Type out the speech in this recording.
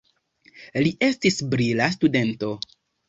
Li estis brila studento.